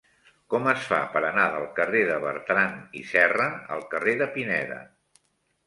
Com es fa per anar del carrer de Bertrand i Serra al carrer de Pineda?